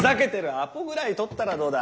アポぐらい取ったらどうだ。